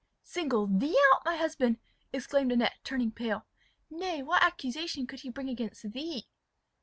"Single thee out, my husband!" exclaimed Annette turning pale. "Nay, what accusation could he bring against thee?"